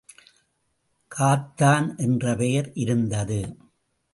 காத்தான் என்ற பெயர் இருந்தது.